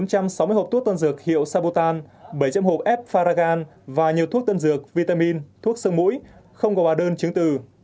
bốn trăm sáu mươi hộp thuốc tân dược hiệu sabotan bảy trăm linh hộp f farragan và nhiều thuốc tân dược vitamin thuốc xương mũi không gò bà đơn chứng từ